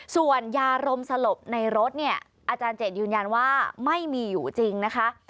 ส่วนยารมสลบในรถเนี่ยอาจารย์เจดยืนยันว่าไม่มีอยู่จริงนะคะ